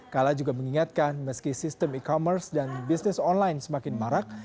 kala juga mengingatkan meski sistem e commerce dan bisnis online semakin marak